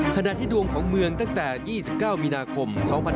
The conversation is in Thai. ขณะที่ดวงของเมืองตั้งแต่๒๙มีนาคม๒๕๖๒